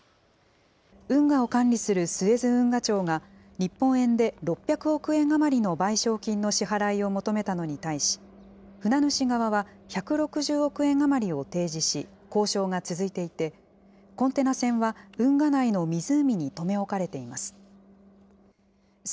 運河を管理するスエズ運河庁が、日本円で６００億円余りの賠償金の支払いを求めたのに対し、船主側は１６０億円余りを提示し、交渉が続いていて、コンテナ船は運河内の湖に留め置かれています。